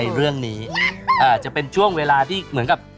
เรื่องนี้จะเป็นช่วงเวลาที่เหมือนกับ